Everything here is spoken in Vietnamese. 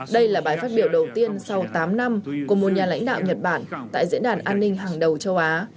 đây là bài phát biểu đầu tiên sau tám năm của một nhà lãnh đạo nhật bản tại diễn đàn an ninh hàng đầu châu á